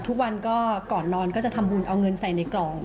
ทุกวันก็ก่อนนอนก็จะทำบุญเอาเงินใส่ในกล่อง